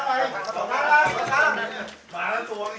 พี่อย่าเปิดจำนะ